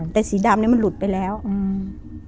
แต่สีดำเนี้ยมันหลุดไปแล้วอืม